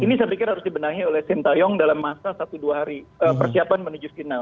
ini saya pikir harus dibenahi oleh sintayong dalam masa satu dua hari persiapan menuju final